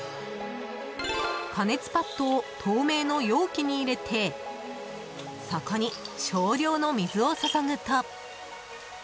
加熱パットを透明の容器に入れてそこに少量の水を注ぐと。